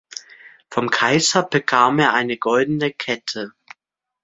Vom Kaiser bekam er eine goldene Kette.